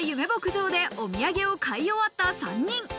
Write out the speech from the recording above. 牧場でお土産を買い終わった３人。